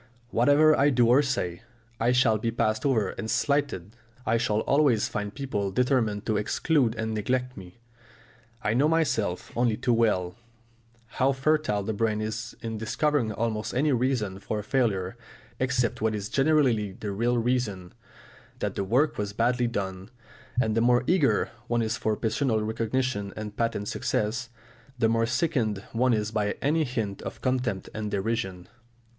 "Whatever I do or say, I shall be passed over and slighted, I shall always find people determined to exclude and neglect me!" I know myself, only too well, how fertile the brain is in discovering almost any reason for a failure except what is generally the real reason, that the work was badly done. And the more eager one is for personal recognition and patent success, the more sickened one is by any hint of contempt and derision.